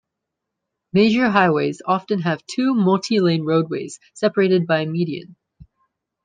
Major highways often have two multi-lane roadways separated by a median.